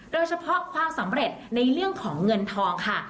โดยเฉพาะความสำเร็จในเรื่องของเงินทองค่ะ